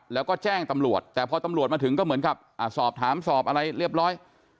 แล้วก็แจ้งตำรวจแต่พอตำรวจมาถึงก็เหมือนกับสอบถามสอบอะไรเรียบร้อย